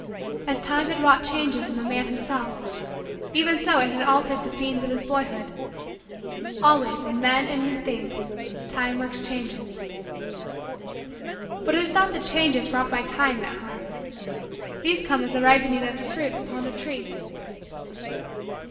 As time had wrought changes in the man himself, even so had it altered the scenes of his boyhood. Always, in men and in things, time works changes. But it is not the changes wrought by time that harms. These come as the ripening of the fruit upon the tree.